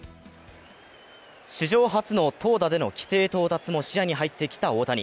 史上初の投打での規定到達も視野に入ってきた大谷。